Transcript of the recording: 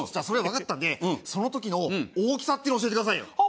それはわかったんでその時の大きさっていうのを教えてくださいよ。